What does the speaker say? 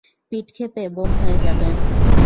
পিট ক্ষেপে বোম হয়ে যাবে।